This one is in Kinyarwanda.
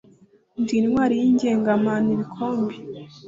Ndi intwari y’ ingemanabikombe